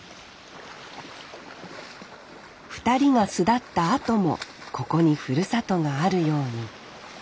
２人が巣立ったあともここにふるさとがあるように。